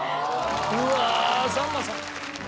うわさんまさん！